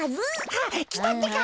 あっきたってか！